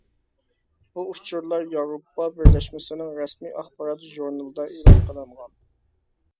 بۇ ئۇچۇرلار ياۋروپا بىرلەشمىسىنىڭ رەسمىي ئاخبارات ژۇرنىلىدا ئېلان قىلىنغان.